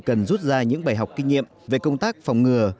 cần rút ra những bài học kinh nghiệm về công tác phòng ngừa